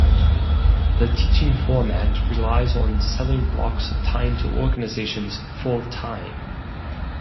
The teaching format relies on selling blocks of time to organizations full-time.